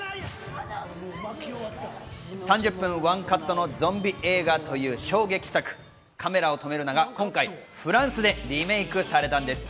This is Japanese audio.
３０分ワンカットのゾンビ映画という衝撃作、『カメラを止めるな！』が今回フランスでリメイクされたんです。